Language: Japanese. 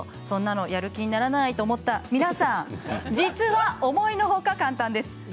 そんなのやる気にならないと思った皆さん実は思いの外簡単です。